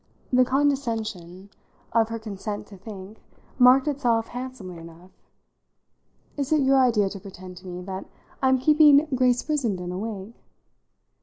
The condescension of her consent to think marked itself handsomely enough. "Is it your idea to pretend to me that I'm keeping Grace Brissenden awake?"